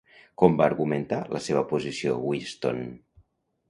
Com va argumentar la seva posició Whiston?